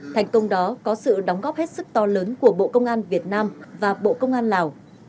thành công đó có sự đóng góp hết sức to lớn của bộ công an việt nam và bộ công an lào